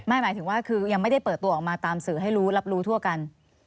หมายถึงว่าคือยังไม่ได้เปิดตัวออกมาตามสื่อให้รู้รับรู้ทั่วกัน